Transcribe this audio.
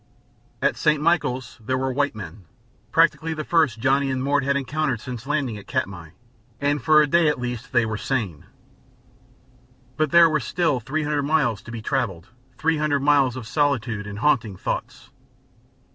At St. Michaels there were white men, practically the first Johnny and Mort had encountered since landing at Katmai, and for a day at least they were sane. But there were still three hundred miles to be traveled, three hundred miles of solitude and haunting thoughts.